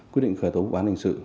quyết định khởi tố vụ bán hành sự